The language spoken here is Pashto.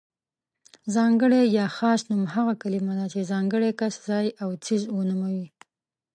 ځانګړی يا خاص نوم هغه کلمه ده چې ځانګړی کس، ځای او څیز ونوموي.